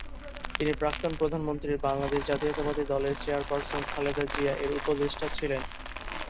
তিনি প্রাক্তন প্রধানমন্ত্রীর বাংলাদেশ জাতীয়তাবাদী দলের চেয়ারপারসন খালেদা জিয়া এর উপদেষ্টা ছিলেন।